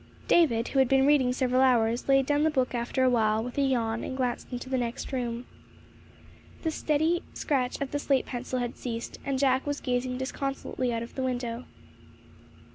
David, who had been reading several hours, laid down the book after a while, with a yawn, and glanced into the next room. The steady scratch of the slate pencil had ceased, and Jack was gazing disconsolately out of the window.